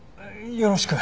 よろしく。